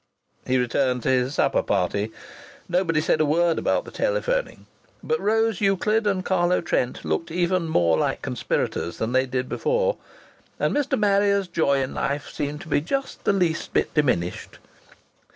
He returned to his supper party. Nobody said a word about the telephoning. But Rose Euclid and Carlo Trent looked even more like conspirators than they did before; and Mr. Marrier's joy in life seemed to be just the least bit diminished.